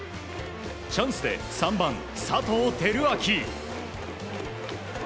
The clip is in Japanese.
チャンスで３番、佐藤輝明。